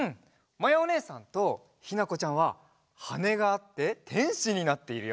まやおねえさんとひなこちゃんははねがあっててんしになっているよ。